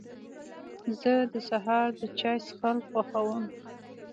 زه د سهار د چای څښل خوښوم.